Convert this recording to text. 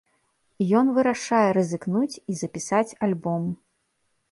Ён вырашае рызыкнуць і запісаць альбом.